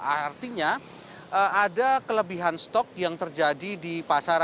artinya ada kelebihan stok yang terjadi di pasar